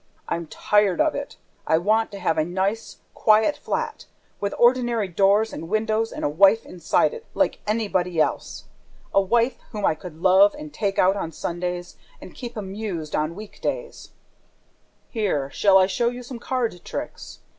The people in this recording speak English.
I'm tired of it! I want to have a nice, quiet flat, with ordinary doors and windows and a wife inside it, like anybody else! A wife whom I could love and take out on Sundays and keep amused on week days ... Here, shall I show you some card tricks?